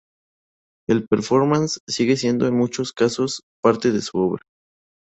El "performance" sigue siendo en muchos casos parte de su obra.